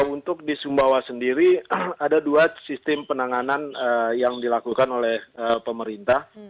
untuk di sumbawa sendiri ada dua sistem penanganan yang dilakukan oleh pemerintah